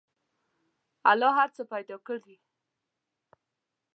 الله هر څه پیدا کړي.